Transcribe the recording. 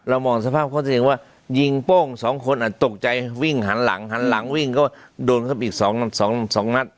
เรามองสภาพโคตรที่จริงว่ายิงโป้งสองคนอ่ะตกใจวิ่งหันหลังหันหลังวิ่งก็โดนเข้าไปอีกสองสองสองนัด